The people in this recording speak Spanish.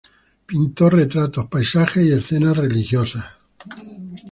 Pintó retratos, paisajes y escenas religiosas.